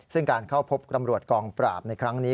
ซึ่งการเข้าพบตำรวจกองปราบในครั้งนี้